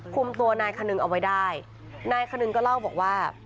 คุมตัวนายคนึงเอาไว้ได้นายคนึงก็เล่าบอกว่า